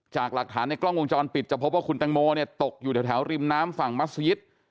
จากหลักฐานในกล้องวงจรปิดจะพบว่าคุณตังโมเนี่ยตกอยู่แถวริมน้ำฝั่งมัศยิต